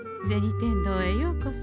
天堂へようこそ。